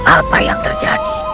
apa yang terjadi